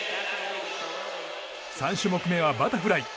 ３種目めはバタフライ。